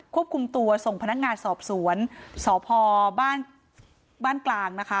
ควบคุมตัวส่งพนักงานสอบสวนสพบ้านกลางนะคะ